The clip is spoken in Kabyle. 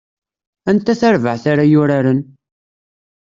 Anta tarbaɛt ara yuraren?